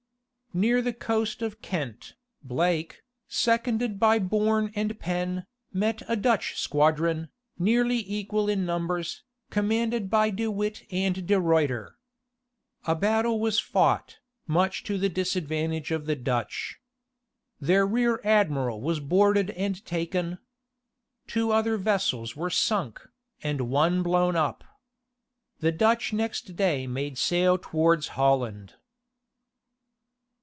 Near the coast of Kent, Blake, seconded by Bourne and Pen, met a Dutch squadron, nearly equal in numbers, commanded by De Witte and De Ruiter. A battle was fought, much to the disadvantage of the Dutch. Their rear admiral was boarded and taken. Two other vessels were sunk, and one blown up. The Dutch next day made sail towards Holland.